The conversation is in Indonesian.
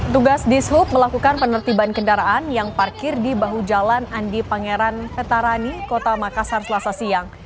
tugas dishub melakukan penertiban kendaraan yang parkir di bahu jalan andi pangeran petarani kota makassar selasa siang